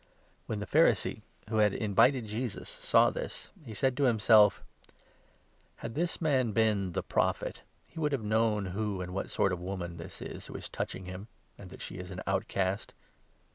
When the Pharisee who had invited Jesus saw this, he said to himself: 39 " Had this man been ' The Prophet,' he would have known who, and what sort of woman, this is who is touching him, and that she is an outcast."